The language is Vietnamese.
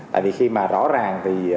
tại vì khi mà rõ ràng thì